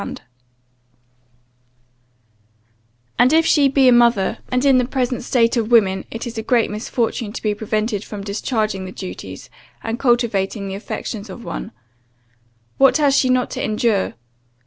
And if she be a mother, and in the present state of women, it is a great misfortune to be prevented from discharging the duties, and cultivating the affections of one, what has she not to endure?